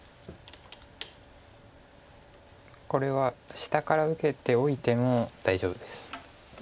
これは下から受けておいても大丈夫です。